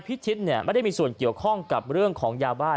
พิชิตไม่ได้มีส่วนเกี่ยวข้องกับเรื่องของยาบ้า